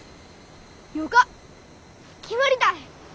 よか決まりたい。